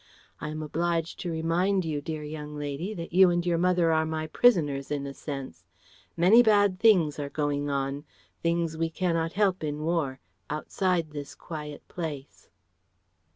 "I am obliged to remind you, dear young lady, that you and your mother are my prisoners in a sense. Many bad things are going on things we cannot help in war outside this quiet place..."